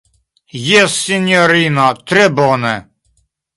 Jes, sinjorino, tre bone.